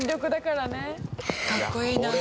「かっこいいなあ」